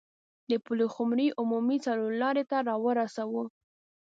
د پلخمري عمومي څلور لارې ته راورسوه.